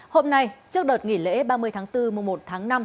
hôm nay trước đợt nghỉ lễ ba mươi tháng bốn mùa một tháng năm